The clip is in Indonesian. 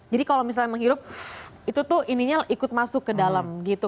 jadi kalau misalnya menghirup itu tuh ininya ikut masuk ke dalam gitu